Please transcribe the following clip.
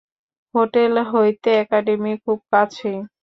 Hotel হইতে academy খুব কাছেই।